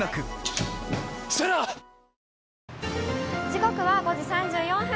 時刻は５時３４分。